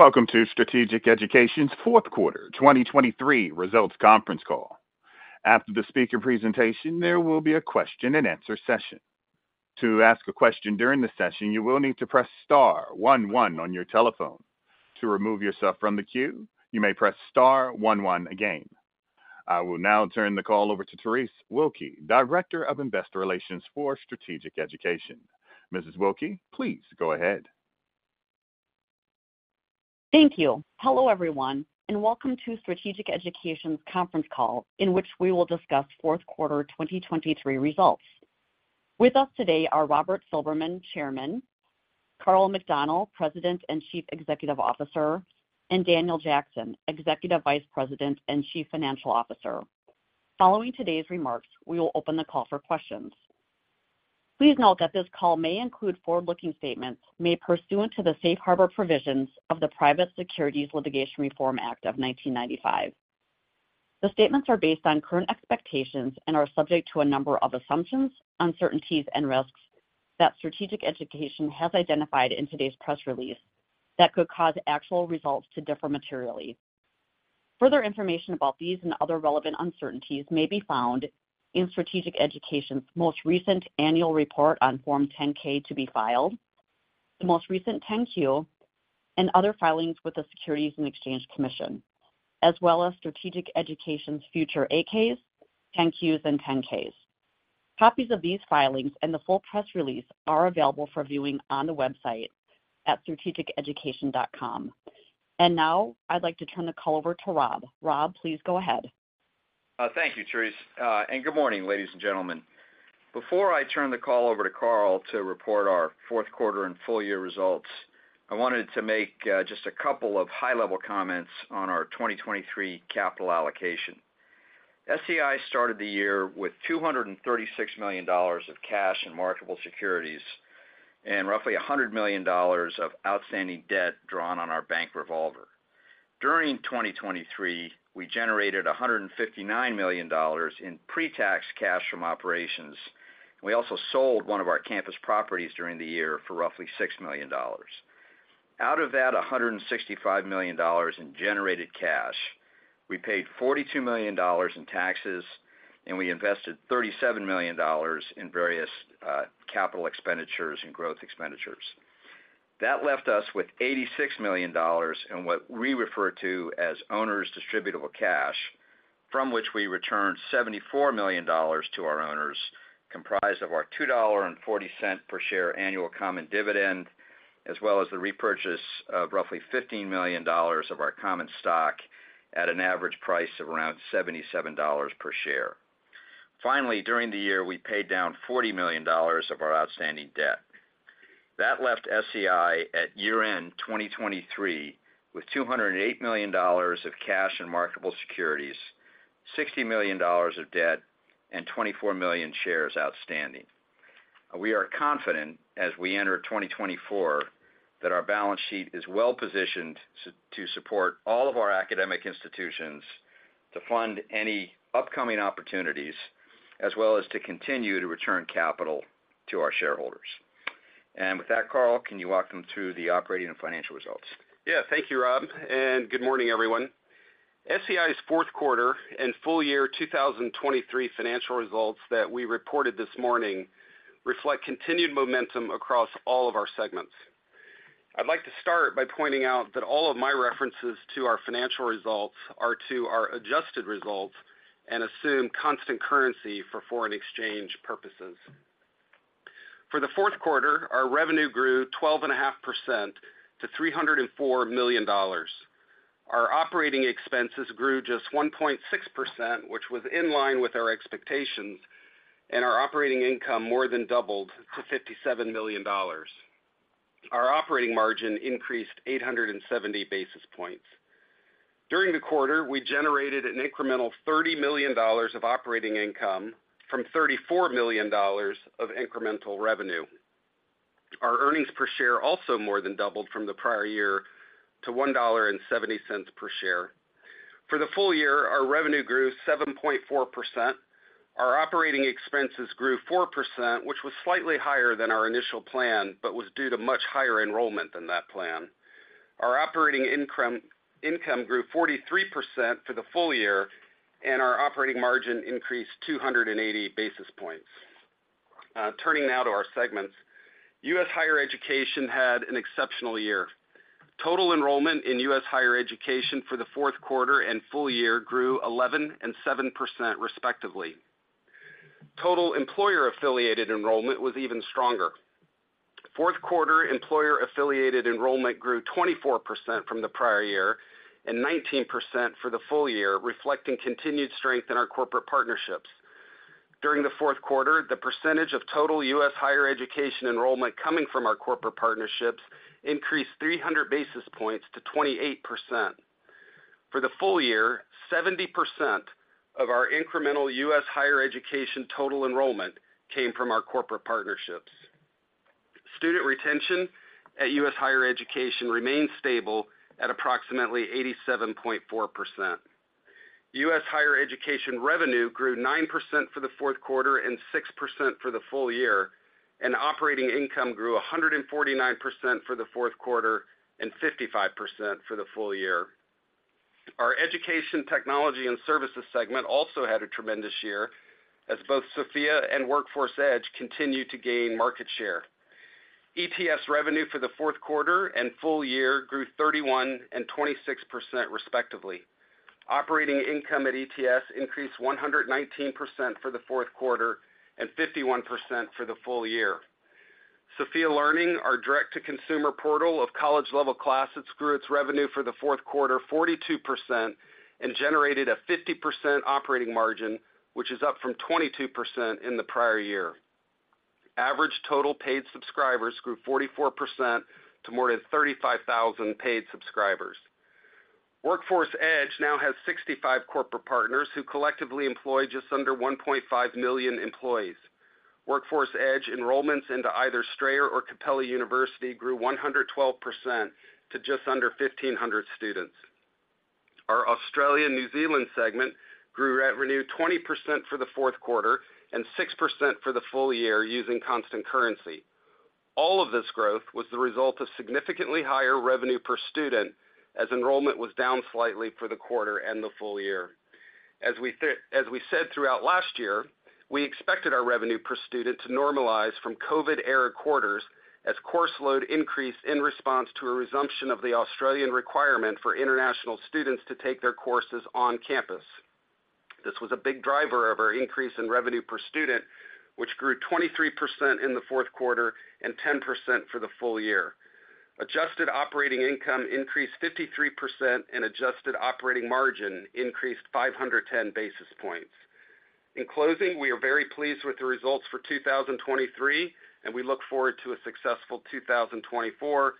Welcome to Strategic Education's Fourth Quarter 2023 Results Conference Call. After the speaker presentation, there will be a question-and-answer session. To ask a question during the session, you will need to press star one one on your telephone. To remove yourself from the queue, you may press star one one again. I will now turn the call over to Terese Wilke, Director of Investor Relations for Strategic Education. Mrs. Wilke, please go ahead. Thank you. Hello everyone, and welcome to Strategic Education's conference call in which we will discuss fourth quarter 2023 results. With us today are Robert Silberman, Chairman; Karl McDonnell, President and Chief Executive Officer; and Daniel Jackson, Executive Vice President and Chief Financial Officer. Following today's remarks, we will open the call for questions. Please note that this call may include forward-looking statements made pursuant to the Safe Harbor provisions of the Private Securities Litigation Reform Act of 1995. The statements are based on current expectations and are subject to a number of assumptions, uncertainties, and risks that Strategic Education has identified in today's press release that could cause actual results to differ materially. Further information about these and other relevant uncertainties may be found in Strategic Education's most recent annual report on Form 10-K to be filed, the most recent 10-Q, and other filings with the Securities and Exchange Commission, as well as Strategic Education's future 8-Ks, 10-Qs, and 10-Ks. Copies of these filings and the full press release are available for viewing on the website at strategiceducation.com. Now I'd like to turn the call over to Rob. Rob, please go ahead. Thank you, Terese. Good morning, ladies and gentlemen. Before I turn the call over to Karl to report our fourth quarter and full-year results, I wanted to make just a couple of high-level comments on our 2023 capital allocation. SEI started the year with $236 million of cash in marketable securities and roughly $100 million of outstanding debt drawn on our bank revolver. During 2023, we generated $159 million in pre-tax cash from operations, and we also sold one of our campus properties during the year for roughly $6 million. Out of that $165 million in generated cash, we paid $42 million in taxes, and we invested $37 million in various capital expenditures and growth expenditures. That left us with $86 million in what we refer to as owner's distributable cash, from which we returned $74 million to our owners, comprised of our $2.40 per share annual common dividend, as well as the repurchase of roughly $15 million of our common stock at an average price of around $77 per share. Finally, during the year, we paid down $40 million of our outstanding debt. That left SEI at year-end 2023 with $208 million of cash in marketable securities, $60 million of debt, and 24 million shares outstanding. We are confident, as we enter 2024, that our balance sheet is well-positioned to support all of our academic institutions to fund any upcoming opportunities, as well as to continue to return capital to our shareholders. And with that, Karl, can you walk them through the operating and financial results? Yeah, thank you, Rob. Good morning, everyone. SEI's fourth quarter and full-year 2023 financial results that we reported this morning reflect continued momentum across all of our segments. I'd like to start by pointing out that all of my references to our financial results are to our adjusted results and assume constant currency for foreign exchange purposes. For the fourth quarter, our revenue grew 12.5% to $304 million. Our operating expenses grew just 1.6%, which was in line with our expectations, and our operating income more than doubled to $57 million. Our operating margin increased 870 basis points. During the quarter, we generated an incremental $30 million of operating income from $34 million of incremental revenue. Our earnings per share also more than doubled from the prior year to $1.70 per share. For the full year, our revenue grew 7.4%. Our operating expenses grew 4%, which was slightly higher than our initial plan but was due to much higher enrollment than that plan. Our operating income grew 43% for the full year, and our operating margin increased 280 basis points. Turning now to our segments, U.S. Higher Education had an exceptional year. Total enrollment in U.S. Higher Education for the fourth quarter and full year grew 11% and 7%, respectively. Total employer-affiliated enrollment was even stronger. Fourth quarter employer-affiliated enrollment grew 24% from the prior year and 19% for the full year, reflecting continued strength in our corporate partnerships. During the fourth quarter, the percentage of total U.S. Higher Education enrollment coming from our corporate partnerships increased 300 basis points to 28%. For the full year, 70% of our incremental U.S. Higher Education total enrollment came from our corporate partnerships. Student retention at U.S. Higher education remained stable at approximately 87.4%. U.S. Higher Education revenue grew 9% for the fourth quarter and 6% for the full year, and operating income grew 149% for the fourth quarter and 55% for the full year. Our Education Technology and Services segment also had a tremendous year as both Sophia and Workforce Edge continued to gain market share. ETS revenue for the fourth quarter and full year grew 31% and 26%, respectively. Operating income at ETS increased 119% for the fourth quarter and 51% for the full year. Sophia Learning, our direct-to-consumer portal of college-level classes, grew its revenue for the fourth quarter 42% and generated a 50% operating margin, which is up from 22% in the prior year. Average total paid subscribers grew 44% to more than 35,000 paid subscribers. Workforce Edge now has 65 corporate partners who collectively employ just under 1.5 million employees. Workforce Edge enrollments into either Strayer or Capella University grew 112% to just under 1,500 students. Our Australia/New Zealand segment grew revenue 20% for the fourth quarter and 6% for the full year using constant currency. All of this growth was the result of significantly higher revenue per student, as enrollment was down slightly for the quarter and the full year. As we said throughout last year, we expected our revenue per student to normalize from COVID-era quarters as course load increased in response to a resumption of the Australian requirement for international students to take their courses on campus. This was a big driver of our increase in revenue per student, which grew 23% in the fourth quarter and 10% for the full year. Adjusted operating income increased 53% and adjusted operating margin increased 510 basis points. In closing, we are very pleased with the results for 2023, and we look forward to a successful 2024.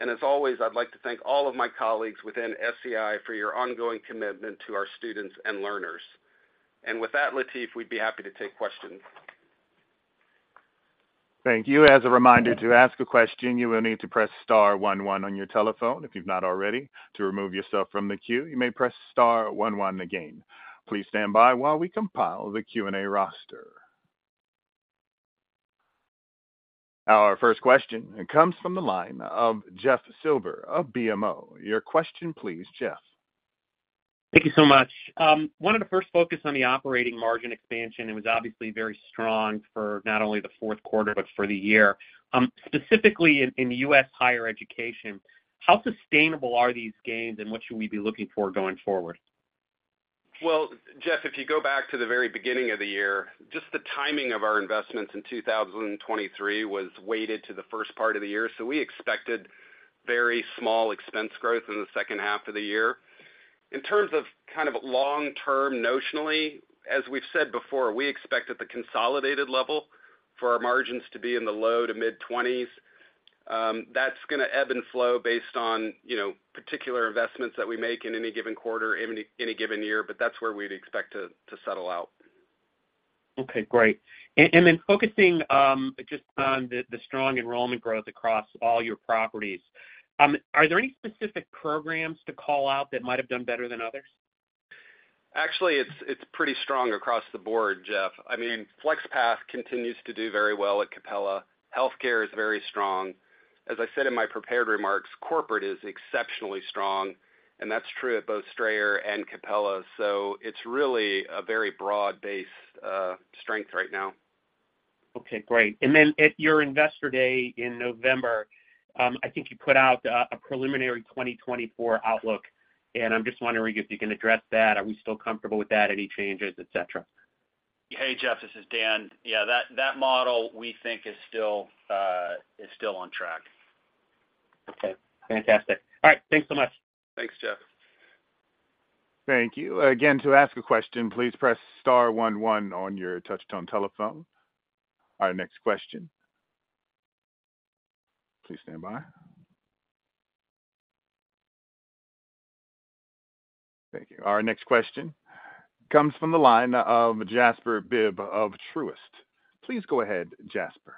As always, I'd like to thank all of my colleagues within SEI for your ongoing commitment to our students and learners. With that, Latif, we'd be happy to take questions. Thank you. As a reminder, to ask a question, you will need to press star one one on your telephone if you've not already. To remove yourself from the queue, you may press star one one again. Please stand by while we compile the Q&A roster. Our first question comes from the line of Jeff Silber of BMO. Your question, please, Jeff. Thank you so much. One of the first focuses on the operating margin expansion. It was obviously very strong for not only the fourth quarter but for the year. Specifically in U.S. Higher Education, how sustainable are these gains, and what should we be looking for going forward? Well, Jeff, if you go back to the very beginning of the year, just the timing of our investments in 2023 was weighted to the first part of the year, so we expected very small expense growth in the second half of the year. In terms of kind of long-term notionally, as we've said before, we expect at the consolidated level for our margins to be in the low to mid-20s. That's going to ebb and flow based on particular investments that we make in any given quarter, any given year, but that's where we'd expect to settle out. Okay, great. And then focusing just on the strong enrollment growth across all your properties, are there any specific programs to call out that might have done better than others? Actually, it's pretty strong across the board, Jeff. I mean, FlexPath continues to do very well at Capella. Healthcare is very strong. As I said in my prepared remarks, corporate is exceptionally strong, and that's true at both Strayer and Capella. So it's really a very broad-based strength right now. Okay, great. And then at your investor day in November, I think you put out a preliminary 2024 outlook, and I'm just wondering if you can address that. Are we still comfortable with that? Any changes, etc.? Hey, Jeff, this is Dan. Yeah, that model we think is still on track. Okay, fantastic. All right, thanks so much. Thanks, Jeff. Thank you. Again, to ask a question, please press star one one on your touch-tone telephone. Our next question. Please stand by. Thank you. Our next question comes from the line of Jasper Bibb of Truist. Please go ahead, Jasper.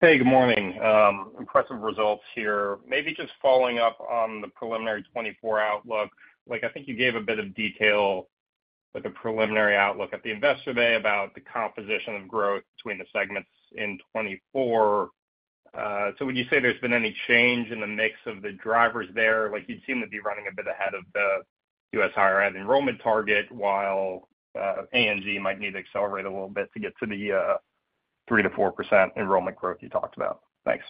Hey, good morning. Impressive results here. Maybe just following up on the preliminary 2024 outlook. I think you gave a bit of detail, a preliminary outlook at the investor day about the composition of growth between the segments in 2024. So would you say there's been any change in the mix of the drivers there? You'd seem to be running a bit ahead of the U.S. Higher Ed enrollment target, while ANZ might need to accelerate a little bit to get to the 3%-4% enrollment growth you talked about. Thanks.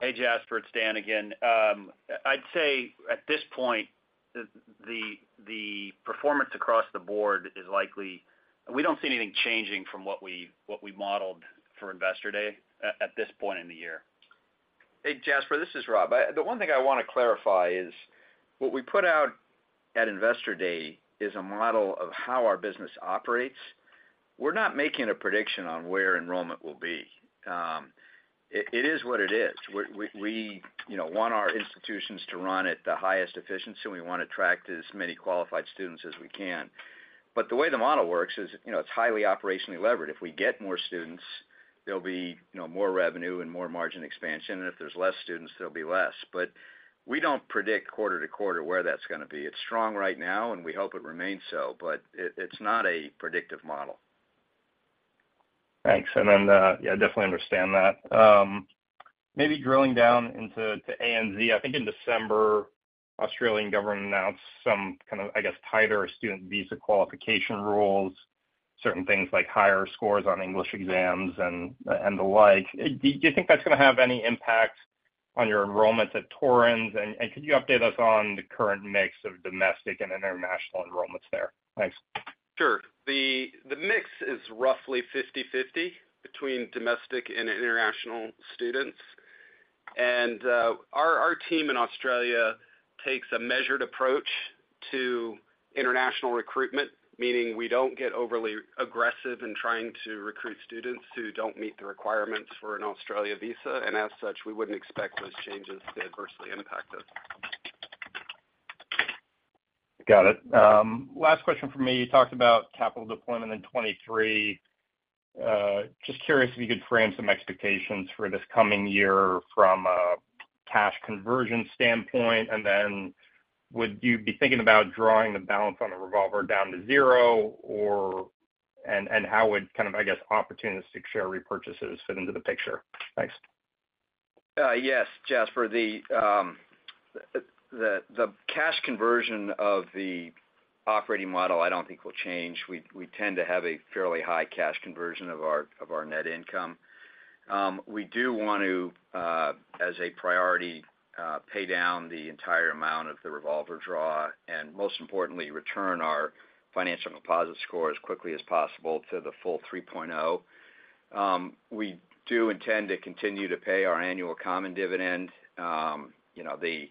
Hey, Jasper, it's Dan again. I'd say at this point, the performance across the board is likely we don't see anything changing from what we modeled for Investor Day at this point in the year. Hey, Jasper, this is Rob. The one thing I want to clarify is what we put out at investor day is a model of how our business operates. We're not making a prediction on where enrollment will be. It is what it is. We want our institutions to run at the highest efficiency, and we want to attract as many qualified students as we can. But the way the model works is it's highly operationally leveraged. If we get more students, there'll be more revenue and more margin expansion, and if there's less students, there'll be less. But we don't predict quarter to quarter where that's going to be. It's strong right now, and we hope it remains so, but it's not a predictive model. Thanks. And then, yeah, I definitely understand that. Maybe drilling down into ANZ, I think in December, Australian government announced some kind of, I guess, tighter student visa qualification rules, certain things like higher scores on English exams and the like. Do you think that's going to have any impact on your enrollments at Torrens? And could you update us on the current mix of domestic and international enrollments there? Thanks. Sure. The mix is roughly 50/50 between domestic and international students. Our team in Australia takes a measured approach to international recruitment, meaning we don't get overly aggressive in trying to recruit students who don't meet the requirements for an Australia visa. As such, we wouldn't expect those changes to adversely impact us. Got it. Last question from me. You talked about capital deployment in 2023. Just curious if you could frame some expectations for this coming year from a cash conversion standpoint. And then would you be thinking about drawing the balance on the revolver down to zero, and how would kind of, I guess, opportunities to share repurchases fit into the picture? Thanks. Yes, Jasper. The cash conversion of the operating model, I don't think will change. We tend to have a fairly high cash conversion of our net income. We do want to, as a priority, pay down the entire amount of the revolver draw and, most importantly, return our financial composite score as quickly as possible to the full 3.0. We do intend to continue to pay our annual common dividend. The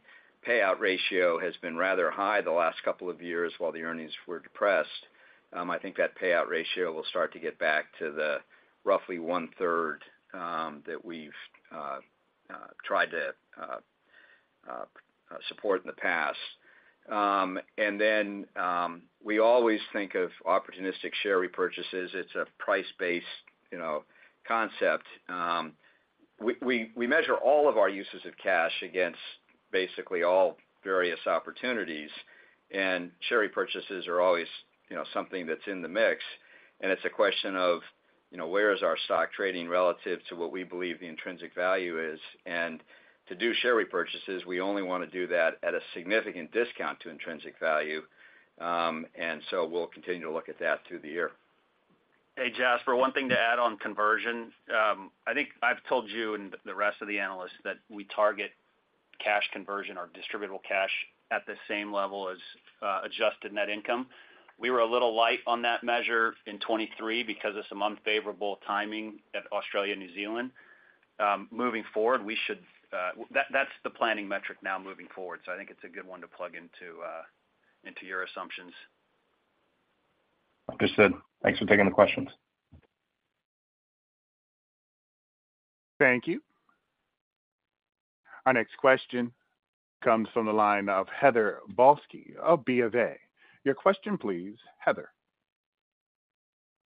payout ratio has been rather high the last couple of years while the earnings were depressed. I think that payout ratio will start to get back to the roughly 1/3 that we've tried to support in the past. And then we always think of opportunistic share repurchases. It's a price-based concept. We measure all of our uses of cash against basically all various opportunities, and share repurchases are always something that's in the mix. It's a question of where is our stock trading relative to what we believe the intrinsic value is. To do share repurchases, we only want to do that at a significant discount to intrinsic value. So we'll continue to look at that through the year. Hey, Jasper, one thing to add on conversion. I think I've told you and the rest of the analysts that we target cash conversion, our distributable cash, at the same level as adjusted net income. We were a little light on that measure in 2023 because of some unfavorable timing at Australia/New Zealand. Moving forward, we should, that's the planning metric now moving forward. So I think it's a good one to plug into your assumptions. Understood. Thanks for taking the questions. Thank you. Our next question comes from the line of Heather Balsky of BofA. Your question, please, Heather.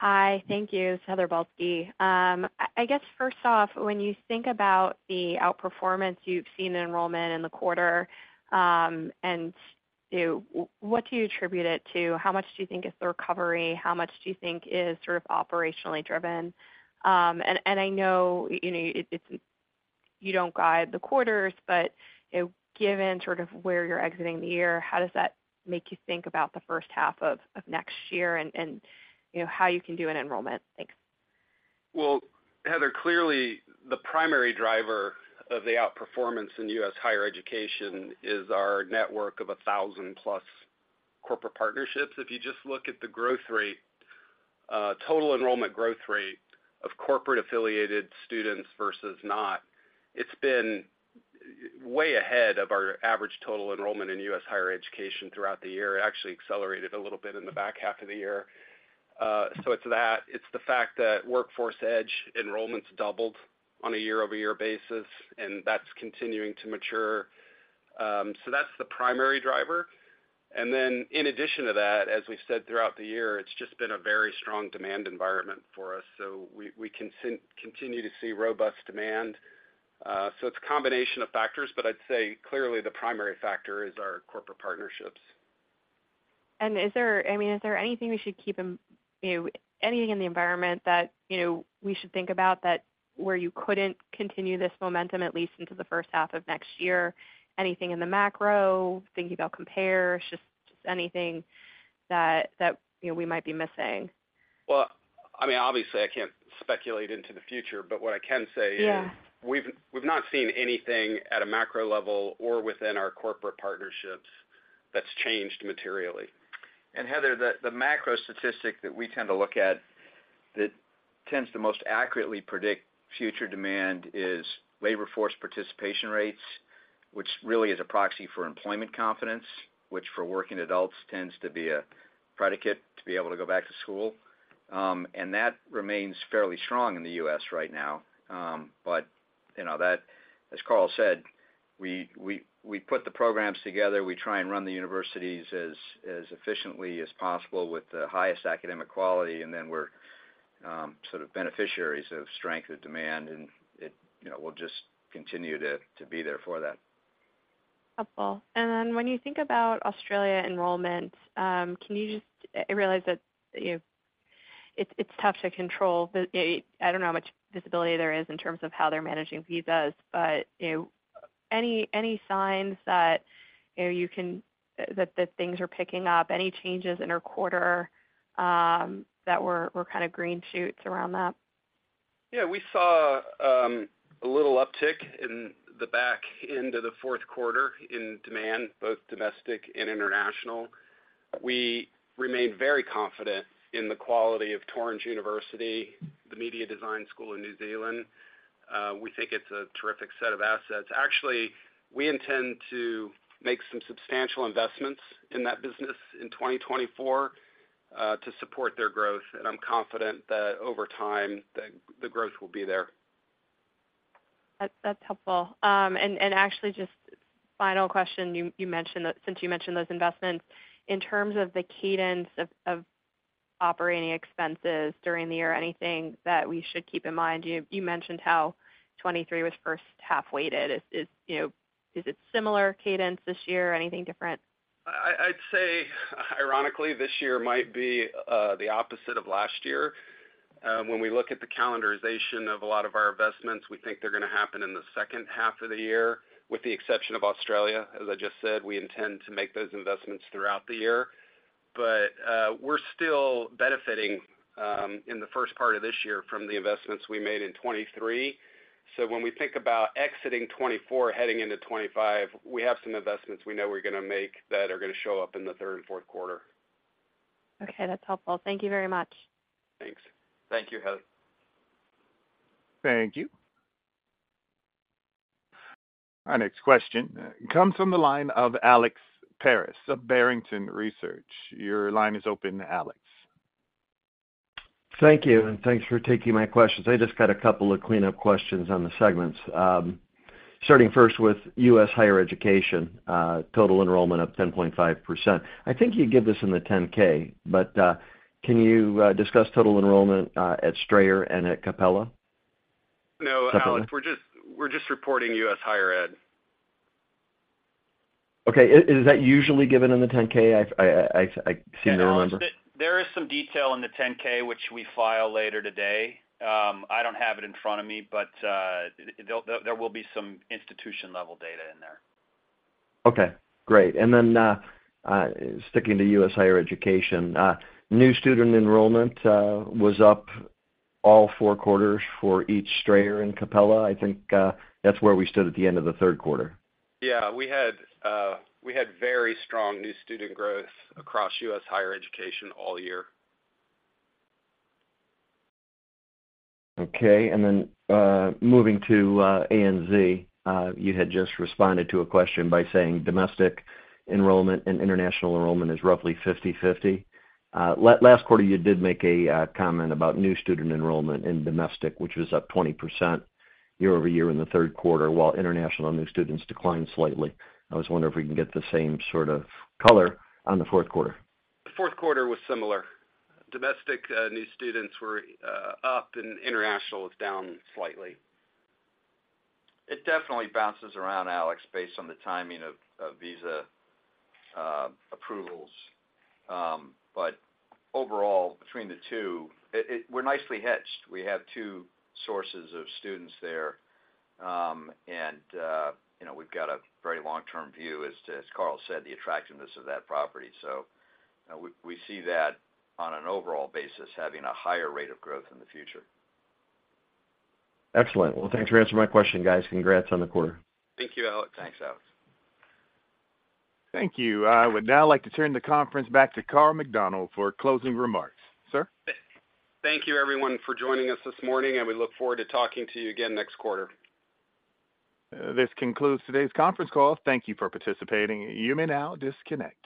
Hi, thank you. It's Heather Balsky. I guess, first off, when you think about the outperformance you've seen in enrollment in the quarter, what do you attribute it to? How much do you think is the recovery? How much do you think is sort of operationally driven? And I know you don't guide the quarters, but given sort of where you're exiting the year, how does that make you think about the first half of next year and how you can do in enrollment? Thanks. Well, Heather, clearly, the primary driver of the outperformance inU.S. Higher Education is our network of 1,000-plus corporate partnerships. If you just look at the growth rate, total enrollment growth rate of corporate-affiliated students versus not, it's been way ahead of our average total enrollment in U.S. Higher Education throughout the year. It actually accelerated a little bit in the back half of the year. So it's that. It's the fact that Workforce Edge enrollments doubled on a year-over-year basis, and that's continuing to mature. So that's the primary driver. And then in addition to that, as we've said throughout the year, it's just been a very strong demand environment for us. So we continue to see robust demand. So it's a combination of factors, but I'd say clearly the primary factor is our corporate partnerships. And I mean, is there anything we should keep anything in the environment that we should think about where you couldn't continue this momentum, at least into the first half of next year? Anything in the macro, thinking about compare, just anything that we might be missing? Well, I mean, obviously, I can't speculate into the future, but what I can say is we've not seen anything at a macro level or within our corporate partnerships that's changed materially. And Heather, the macro statistic that we tend to look at that tends to most accurately predict future demand is labor force participation rates, which really is a proxy for employment confidence, which for working adults tends to be a predicate to be able to go back to school. That remains fairly strong in the U.S. right now. But as Karl said, we put the programs together. We try and run the universities as efficiently as possible with the highest academic quality, and then we're sort of beneficiaries of strength of demand, and we'll just continue to be there for that. Helpful. And then when you think about Australia enrollment, can you just I realize that it's tough to control. I don't know how much visibility there is in terms of how they're managing visas, but any signs that you can that things are picking up, any changes in our quarter that were kind of green shoots around that? Yeah, we saw a little uptick in the back end of the fourth quarter in demand, both domestic and international. We remain very confident in the quality of Torrens University, the Media Design School in New Zealand. We think it's a terrific set of assets. Actually, we intend to make some substantial investments in that business in 2024 to support their growth. And I'm confident that over time, the growth will be there. That's helpful. And actually, just final question, since you mentioned those investments, in terms of the cadence of operating expenses during the year, anything that we should keep in mind? You mentioned how 2023 was first half-weighted. Is it similar cadence this year? Anything different? I'd say, ironically, this year might be the opposite of last year. When we look at the calendarization of a lot of our investments, we think they're going to happen in the second half of the year, with the exception of Australia. As I just said, we intend to make those investments throughout the year. But we're still benefiting in the first part of this year from the investments we made in 2023. So when we think about exiting 2024, heading into 2025, we have some investments we know we're going to make that are going to show up in the third and fourth quarter. Okay, that's helpful. Thank you very much. Thanks. Thank you, Heather. Thank you. Our next question comes from the line of Alex Paris of Barrington Research. Your line is open, Alex. Thank you, and thanks for taking my questions. I just got a couple of cleanup questions on the segments. Starting first with U.S. Higher Education, total enrollment of 10.5%. I think you give this in the 10-K, but can you discuss total enrollment at Strayer and at Capella? No, Alex, we're just reporting U.S. Higher Ed. Okay. Is that usually given in the 10-K? I seem to remember. There is some detail in the 10-K, which we file later today. I don't have it in front of me, but there will be some institution-level data in there. Okay, great. Then sticking to U.S. Higher Education, new student enrollment was up all four quarters for each Strayer and Capella. I think that's where we stood at the end of the third quarter. Yeah, we had very strong new student growth across U.S. Higher Education all year. Okay. Moving to ANZ, you had just responded to a question by saying domestic enrollment and international enrollment is roughly 50/50. Last quarter, you did make a comment about new student enrollment in domestic, which was up 20% year-over-year in the third quarter, while international new students declined slightly. I was wondering if we can get the same sort of color on the fourth quarter? The fourth quarter was similar. Domestic new students were up, and international was down slightly. It definitely bounces around, Alex, based on the timing of visa approvals. But overall, between the two, we're nicely hedged. We have two sources of students there, and we've got a very long-term view as to, as Karl said, the attractiveness of that property. So we see that on an overall basis having a higher rate of growth in the future. Excellent. Well, thanks for answering my question, guys. Congrats on the quarter. Thank you, Alex. Thanks, Alex. Thank you. I would now like to turn the conference back to Karl McDonnell for closing remarks. Sir? Thank you, everyone, for joining us this morning, and we look forward to talking to you again next quarter. This concludes today's conference call. Thank you for participating. You may now disconnect.